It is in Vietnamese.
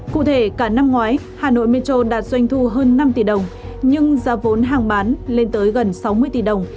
cụ thể cả năm ngoái hà nội metro đạt doanh thu hơn năm tỷ đồng nhưng giá vốn hàng bán lên tới gần sáu mươi tỷ đồng